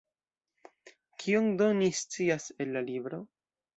Kion do ni scias el la libro?